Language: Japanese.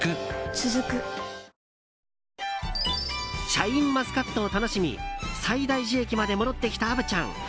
シャインマスカットを楽しみ西大寺駅前まで戻ってきた虻ちゃん。